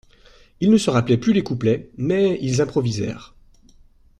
Ils ne se rappelaient plus les couplets, mais ils improvisèrent